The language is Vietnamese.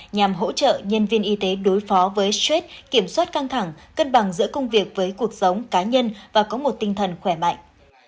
nhằm hỗ trợ nhân viên y tế đối phó với stress kiểm soát căng thẳng cân bằng giữa công việc với cuộc sống cá nhân và có một tinh thần khỏe mạnh